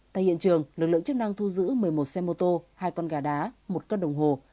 tại hiện trường lực lượng chức năng thu giữ một mươi một xe mô tô hai con gà đá một cân đồng hồ